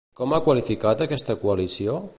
Com ha qualificat aquesta coalició?